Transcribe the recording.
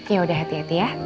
ya udah hati hati ya